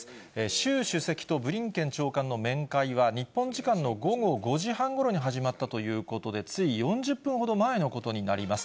習主席とブリンケン長官の面会は、日本時間の午後５時半ごろに始まったということで、つい４０分ほど前のことになります。